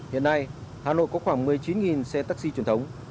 hiện nay hà nội có khoảng một mươi chín xe taxi truyền thống